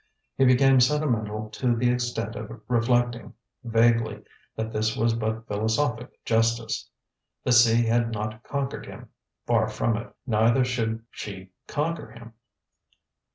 He became sentimental to the extent of reflecting, vaguely, that this was but philosophic justice. The sea had not conquered him far from it; neither should She conquer him.